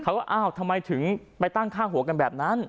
ว่าอ้าวทำไมถึงไปตั้งค่าหัวกันแบบนั้น